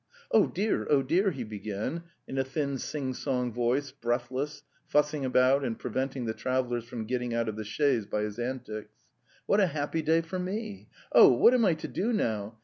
'Oh dear! oh dear!" he began in a thin sing song voice, breathless, fussing about and preventing the travellers from getting out of the chaise by his antics. '' What a happy day for me! Oh, what am I to do now?